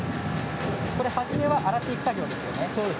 初めは洗っていく作業ですね。